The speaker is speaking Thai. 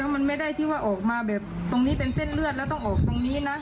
มันไม่ได้ที่ว่าออกมาแบบตรงนี้เป็นเส้นเลือดแล้วต้องออกตรงนี้นะ